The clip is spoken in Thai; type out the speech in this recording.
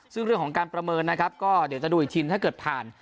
ซึ่งเรื่องของการประเมินนะครับก็เดี๋ยวจะดูอีกทีถ้าเกิดผ่าน